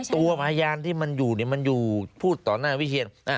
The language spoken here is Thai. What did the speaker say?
ตัวพยานที่มันอยู่มันอยู่พูดต่อหน้าวิเชียน